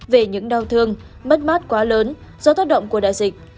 về những đau thương mất mát quá lớn do tác động của đại dịch